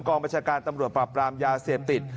กองบัชการตำรวจปรับปรามยาเสียบติด